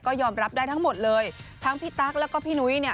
ก็ยอมรับได้ทั้งหมดเลยทั้งพี่ตั๊กแล้วก็พี่นุ้ยเนี่ย